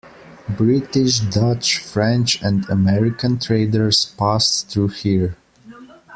British, Dutch, French and American traders passed through here.